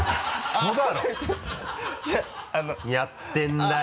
何やってるんだよ！